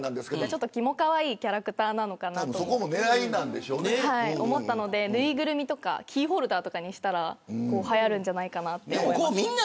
ちょっとキモかわいいキャラクターなのかなと思ったので縫いぐるみとかキーホルダーとかにしたらはやるんじゃないかなって。